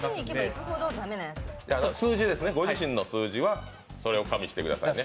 ご自身の数字はそれを加味してくださいね。